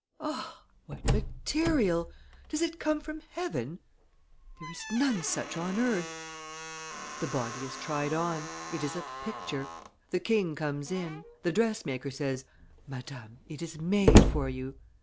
'Ah! what material! Does it come from heaven? There is none such on earth.' The body is tried on; it is a picture. The king comes in. The dressmaker says, 'Madame, it is made for you.